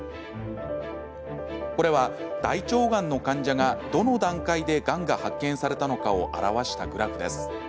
これは、大腸がんの患者がどの段階で、がんが発見されたのかを表すグラフです。